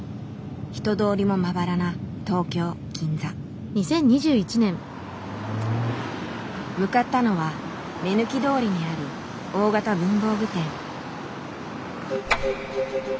人通りもまばらな向かったのは目抜き通りにある大型文房具店。